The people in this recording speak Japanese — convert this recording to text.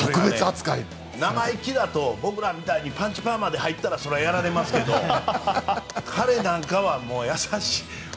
生意気だと僕らみたいにパンチパーマで入ったらそれはやられますが彼なんかは優しい。